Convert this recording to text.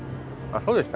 そうでした？